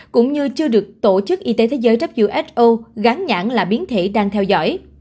cũng như chưa được tổ chức y tế thế giới who gán nhãn là biến thể đang theo dõi